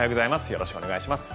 よろしくお願いします。